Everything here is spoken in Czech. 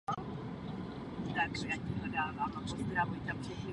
Kromě toho bude přístav jedním z nejvýznamnějších námořních přístavů Střední Asie.